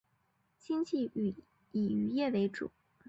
经济以渔业为主。